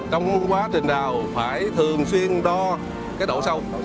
trong quá trình đào phải thường xuyên đo cái độ sâu